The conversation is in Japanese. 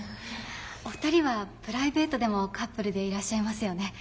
お二人はプライベートでもカップルでいらっしゃいますよね。